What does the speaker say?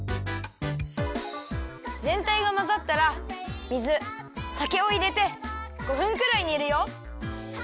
ぜんたいがまざったら水さけをいれて５分くらいにるよ。